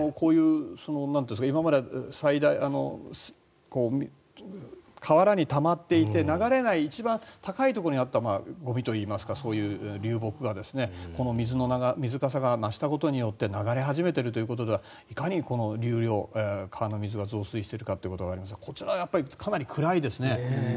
今まで河原にたまっていて流れが一番高いところにあったゴミといいますかそういう流木が水かさが増したことによって流れ始めているということでいかに流量川の水が増水しているかですがこちら、かなり暗いですね。